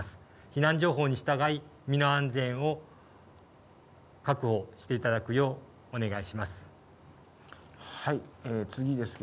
避難情報に従い、身の安全を確保していただくよう、お願いします。